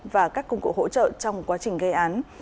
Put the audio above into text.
và các công cụ hỗ trợ trong quá trình gây án